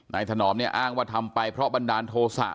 ถนอมเนี่ยอ้างว่าทำไปเพราะบันดาลโทษะ